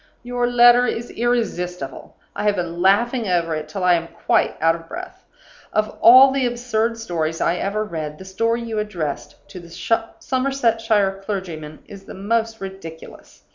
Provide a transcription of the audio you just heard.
Your letter is irresistible; I have been laughing over it till I am quite out of breath. Of all the absurd stories I ever read, the story you addressed to the Somersetshire clergyman is the most ridiculous.